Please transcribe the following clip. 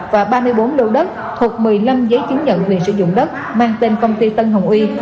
và ba mươi bốn lô đất thuộc một mươi năm giấy chứng nhận quyền sử dụng đất mang tên công ty tân hồng uy